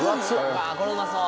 これうまそう。